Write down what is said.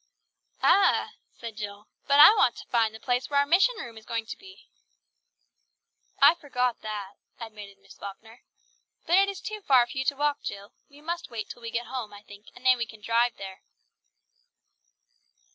"Ah!" said Jill, "but I want to find the place where our mission room is going to be." "I forgot that," admitted Miss Falkner. "But it is too far for you to walk, Jill. We must wait till we get home, I think, and then we can drive there."